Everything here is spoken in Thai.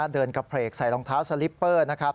เดินกระเพลกใส่รองเท้าสลิปเปอร์นะครับ